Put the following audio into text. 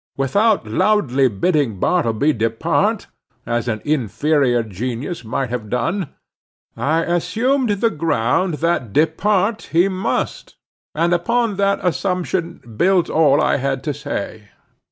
Without loudly bidding Bartleby depart—as an inferior genius might have done—I assumed the ground that depart he must; and upon that assumption built all I had to say.